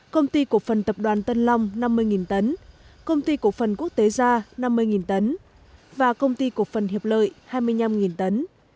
công ty cổ phần tập đoàn tân long năm mươi tấn công quốc tế gia năm mươi tấn và công ty cổ phần hiệp lợi hai mươi năm tấn